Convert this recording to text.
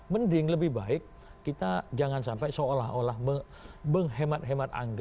mending lebih baik kita jangan sampai seolah olah menghemat hemat anggaran